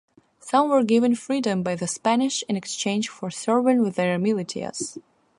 Some were given freedom by the Spanish in exchange for serving with their militias.